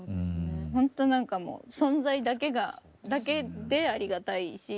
ほんとなんかもう存在だけでありがたいし